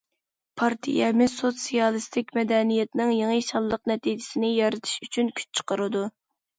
پارتىيەمىز سوتسىيالىستىك مەدەنىيەتنىڭ يېڭى شانلىق نەتىجىسىنى يارىتىش ئۈچۈن كۈچ چىقىرىدۇ.